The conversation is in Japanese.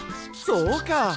そうか！